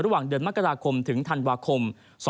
ระหว่างเดือนมกฎาคมถึงทันวาคม๒๕๕๙